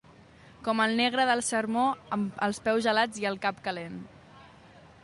Com el negre del sermó, amb els peus gelats i el cap calent.